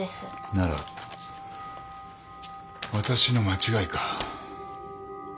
なら私の間違いか。